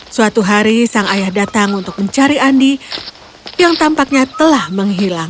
suatu hari sang ayah datang untuk mencari andi yang tampaknya telah menghilang